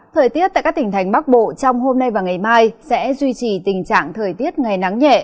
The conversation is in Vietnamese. thời tiết tại các tỉnh thành bắc bộ trong hôm nay và ngày mai sẽ duy trì tình trạng thời tiết ngày nắng nhẹ